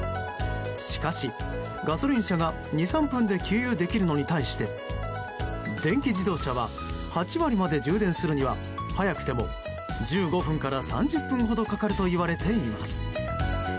しかし、ガソリン車が２３分で給油できるのに対して電気自動車は８割まで充電するには早くても１５分から３０分ほどかかるといわれています。